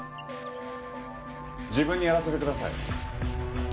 自分にやらせてください。